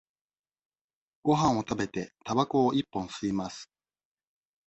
ごはんを食べて、たばこを一本吸います。